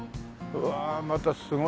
うわあまたすごい大木だ。